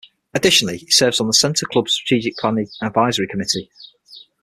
Additionally, he serves on The Center Club Strategic Planning Advisory Committee.